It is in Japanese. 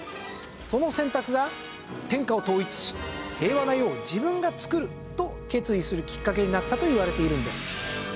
その選択が天下を統一し平和な世を自分が作ると決意するきっかけになったといわれているんです。